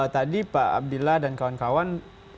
tadi pak abdillah dan kawan kawan